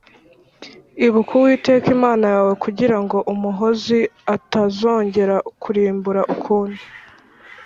ibuka Uwiteka Imana yawe kugira ngo umuhōzi atazongera kurimbura ukundi